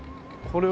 これ。